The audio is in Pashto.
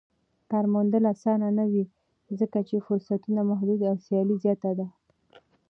کار موندل اسانه نه وي ځکه چې فرصتونه محدود او سیالي زياته ده.